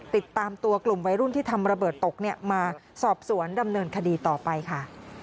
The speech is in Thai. ติดตามตัวกลุ่มวัยรุ่นที่ทำระเบิดตกมาสอบสวนดำเนินคดีต่อไปค่ะ